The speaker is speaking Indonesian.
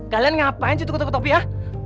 kalian ngapain sih tukar topi ya